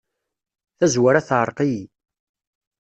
Tazwara teεreq-iyi.